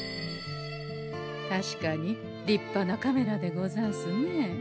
確かに立派なカメラでござんすね。